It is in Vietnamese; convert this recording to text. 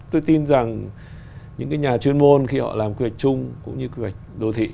tôi tin rằng những cái nhà chuyên môn khi họ làm quy hoạch chung cũng như quy hoạch đô thị